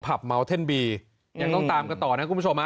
เมาเท่นบียังต้องตามกันต่อนะคุณผู้ชมฮะ